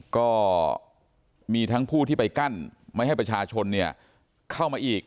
ก็มีทั้งผู้ที่ไปกั้นไม่ให้ประชาชนเข้ามาอีก